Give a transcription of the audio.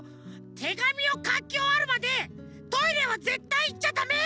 てがみをかきおわるまでトイレはぜったいいっちゃだめ！